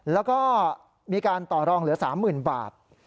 แล้วก็มีการต่อรองเหลือ๓๐๐๐บาท